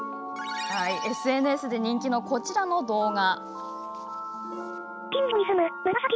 ＳＮＳで人気のこちらの動画。